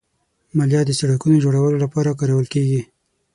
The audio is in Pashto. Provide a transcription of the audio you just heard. مالیه د سړکونو جوړولو لپاره کارول کېږي.